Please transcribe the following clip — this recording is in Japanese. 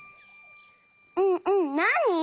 うんうんなに？